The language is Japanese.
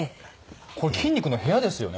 これ筋肉の部屋ですよね。